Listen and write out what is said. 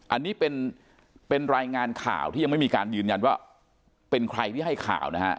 อันนี้เป็นรายงานข่าวที่ยังไม่มีการยืนยันว่าเป็นใครที่ให้ข่าวนะฮะ